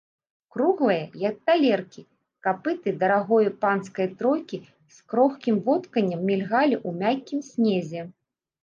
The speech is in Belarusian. Круглыя, як талеркі, капыты дарагое панскае тройкі з крохкім вохканнем мільгалі ў мяккім снезе.